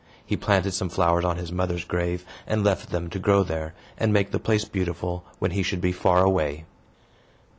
He planted some flowers on his mother's grave, and left them to grow there, and make the place beautiful, when he should be far away.